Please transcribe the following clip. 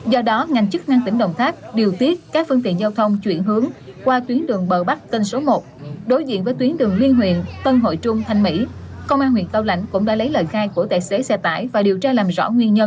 do đó ngành chức năng tỉnh đồng tháp điều tiết các phương tiện giao thông chuyển hướng qua tuyến đường bờ bắc tên số một đối diện với tuyến đường liên huyện tân hội trung thanh mỹ